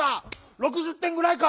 ６０てんぐらいか？